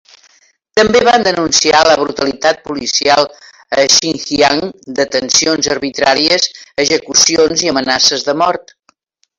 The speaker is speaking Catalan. També van denunciar la brutalitat policial a Xinjiang: detencions arbitràries, execucions i amenaces de mort.